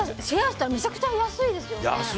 シェアしたらめちゃくちゃ安いですよね。